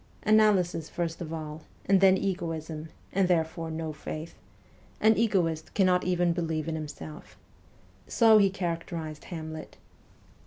' Analysis first of all, and then egoism, and therefore no faith an egoist cannot even believe in himself :' so he characterized Hamlet.